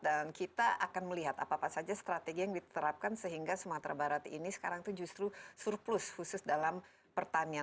dan kita akan melihat apa saja strategi yang diterapkan sehingga sumatera barat ini sekarang itu justru surplus khusus dalam pertanian